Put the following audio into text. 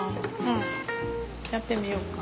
やってみようか？